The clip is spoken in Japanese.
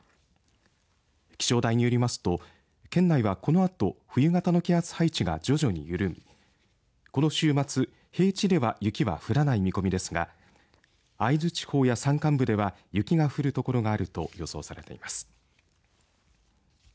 気象台によりますと県内は、このあと冬型の気圧配置が徐々に緩みこの週末、平地では雪は降らない見込みですが会津地方や山間部では雪が降る所があると予想されています。